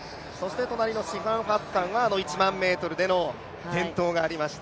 隣のシファン・ハッサンは１００００ｍでの転倒がありました。